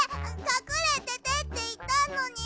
かくれててっていったのに。